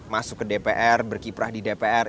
masuk ke dpr berkiprah di dpr